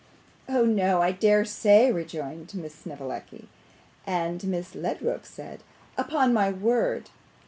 'Oh no! I dare say,' rejoined Miss Snevellicci. And Miss Ledrook said, 'Upon my word!